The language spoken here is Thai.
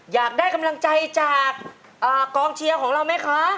อยากได้กำลังใจจากกองเชียร์ของเราไหมคะ